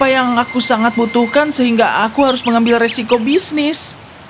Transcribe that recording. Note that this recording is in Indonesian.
apa yang aku sangat butuhkan sehingga aku harus mengambil resiko bisnis